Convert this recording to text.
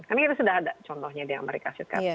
karena kita sudah ada contohnya di amerika serikat